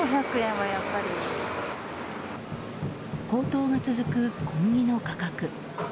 高騰が続く小麦の価格。